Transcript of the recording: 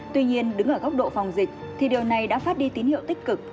tuy nhiên đứng ở góc độ phòng dịch thì điều này đã phát đi tín hiệu tích cực